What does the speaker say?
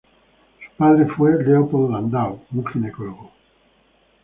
Su padre fue Leopold Landau, un ginecólogo.